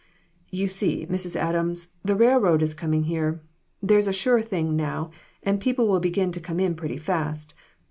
"You see, Mrs. Adams, the railroad is coming here. That's a sure thing now, and people will begin to come in pretty fast.